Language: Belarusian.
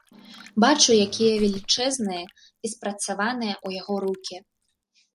Бачу якія велічэзныя і спрацаваныя ў яго рукі.